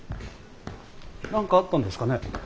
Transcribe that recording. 何かあったんですかね？